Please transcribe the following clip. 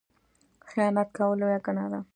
خیانت کول لویه ګناه ده